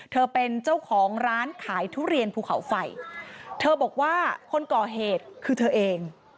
เธอเป็นเจ้าของร้านขายทุเรียนภูเขาไฟเธอบอกว่าคนก่อเหตุคือเธอเอง